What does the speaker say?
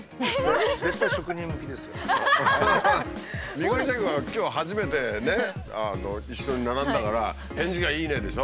三國シェフは今日初めてね一緒に並んだから「返事がいいね」でしょ。